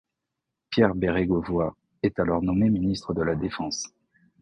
Pierre Bérégovoy est alors nommé ministre de la Défense.